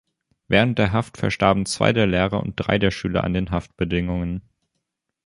Während der Haft verstarben zwei der Lehrer und drei der Schüler an den Haftbedingungen.